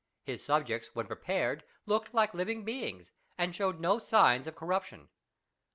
His subjects, when prepared, looked like living beings, and showed no signs of corruption.